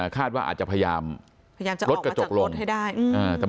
คาดว่าอาจจะพยายามรถกระจกลงพยายามจะออกมาจากรถให้ได้